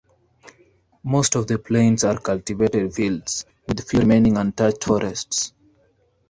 Most of the plains are cultivated fields, with few remaining untouched forests.